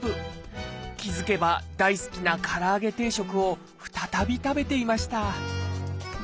気付けば大好きなから揚げ定食を再び食べていました。